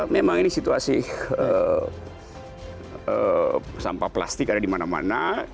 memang ini situasi sampah plastik ada dimana mana